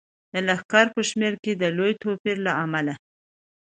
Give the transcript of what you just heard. د لښکر په شمیر کې د لوی توپیر له امله.